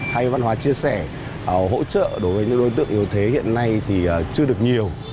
hay văn hóa chia sẻ hỗ trợ đối với những đối tượng yếu thế hiện nay thì chưa được nhiều